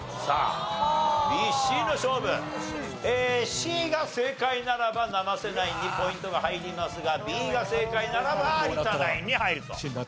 Ｃが正解ならば生瀬ナインにポイントが入りますがＢが正解ならば有田ナインに入ると。